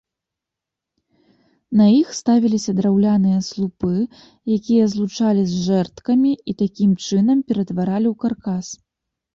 На іх ставіліся драўляныя слупы, якія злучалі жэрдкамі і такім чынам ператваралі ў каркас.